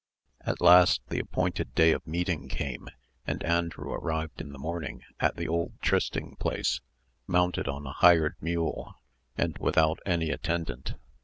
At last the appointed day of meeting came, and Andrew arrived in the morning at the old trysting place, mounted on a hired mule, and without any attendant.